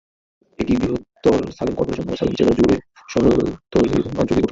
এটি বৃহত্তর সালেম কর্পোরেশন এবং সালেম জেলা জুড়ে শহরতলির অঞ্চল নিয়ে গঠিত।